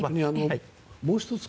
もう１つ